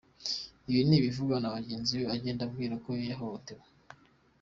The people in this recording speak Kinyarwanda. Ibi ni ibivugwa na bagenzi be agenda abwira ko yahohotewe.